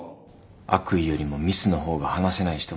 悪意よりもミスの方が話せない人もいる。